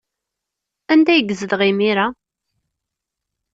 Anda ay yezdeɣ imir-a?